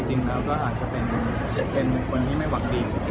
จริงแล้วก็อาจจะเป็นคนที่ไม่หวังดี